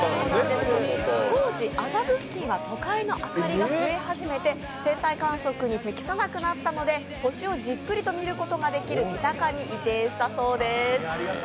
当時、麻布付近は都会の明かりが増え始めて天体観測に適さなくなったので星をじっくりと見ることができる三鷹に移転したそうです。